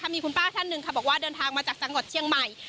มีคุณป้าท่านหนึ่งค่ะบอกว่าเดินทางมาจากจังหวัดเชียงใหม่